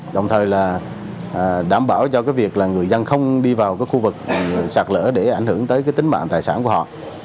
đồng thời đảm bảo cho việc người dân không đi vào khu vực sạt lỡ để ảnh hưởng tới tính mạng tài sản của họ